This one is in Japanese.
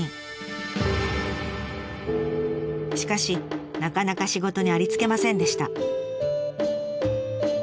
しかしなかなか仕事にありつけませんでした。